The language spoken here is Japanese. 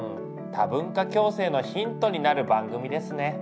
多文化共生のヒントになる番組ですね。